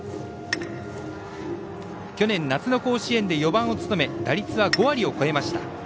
去年、夏の甲子園で４番を務め打率は５割を超えました。